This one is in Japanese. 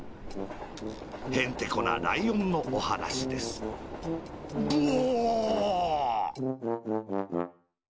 へんてこなライオンのおはなしですブオ！